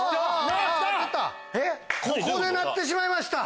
ここで鳴ってしまいました。